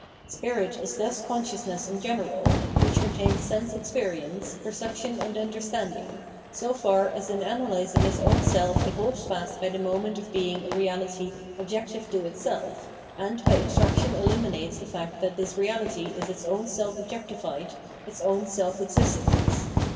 Spirit is thus C onscious ness in general, which contains sense experience, perception and understanding, so far as in analysing its own seK it holds fast by the moment of being a reahty objective to itself, and by abstraction eliminates the fact that this reahty is its own sell objectified, its own seh existence.